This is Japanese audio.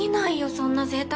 そんな贅沢。